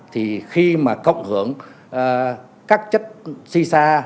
thì khi mà cộng hưởng các chất xì xa